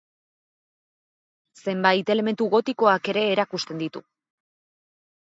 Zenbait elementu gotikoak ere erakusten ditu.